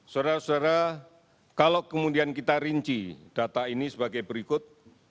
saudara saudara kalau kemudian kita rinci data ini sebagai berikut